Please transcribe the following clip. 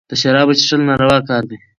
د شرابو څېښل ناروا کار دئ.